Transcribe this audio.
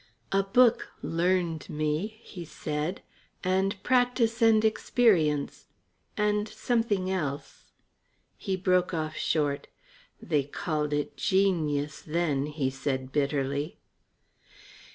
"A book 'learned' me," he said, "and practice and experience and something else." He broke off short. "They called it genius then," he said bitterly.